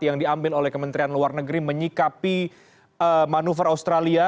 yang diambil oleh kementerian luar negeri menyikapi manuver australia